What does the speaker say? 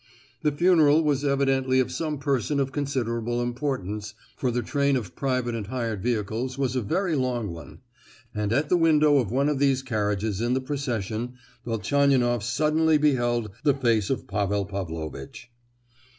The funeral was evidently of some person of considerable importance, for the train of private and hired vehicles was a very long one; and at the window of one of these carriages in the procession Velchaninoff suddenly beheld the face of Pavel Pavlovitch.